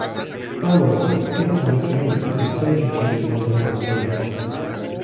Finally, fate has intervened and sent you to me as an honoured guest.